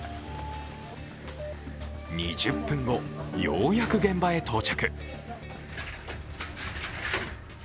２０分後、ようやく現場へ到着。